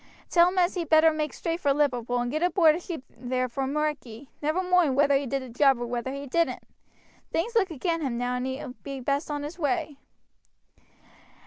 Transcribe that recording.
Tell him as he'd best make straight for Liverpool and git aboard a ship there for 'Merikee never moind whether he did the job or whether he didn't. Things looks agin him now, and he best be on his way."